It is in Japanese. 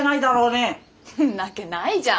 んなわけないじゃん。